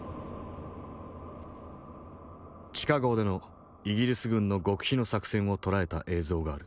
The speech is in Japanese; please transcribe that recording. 地下壕でのイギリス軍の極秘の作戦を捉えた映像がある。